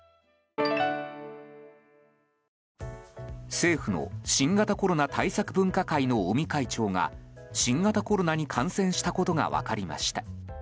政府の新型コロナ対策分科会の尾身会長が新型コロナに感染したことが分かりました。